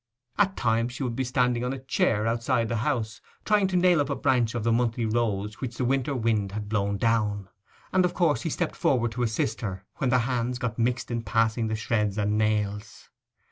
At times she would be standing on a chair outside the house, trying to nail up a branch of the monthly rose which the winter wind had blown down; and of course he stepped forward to assist her, when their hands got mixed in passing the shreds and nails.